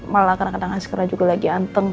malah kadang kadang haskernya juga lagi anteng